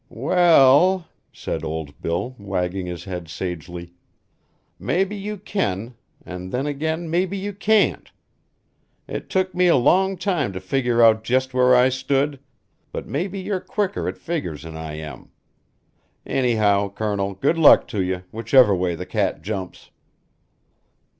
"We ll," said old Bill, wagging his head sagely, "mebbe you can, an' then again mebbe you can't. It took me a long time to figger out just where I stood, but mebbe you're quicker at figgers than I am. Anyhow, Colonel, good luck to you, whichever way the cat jumps."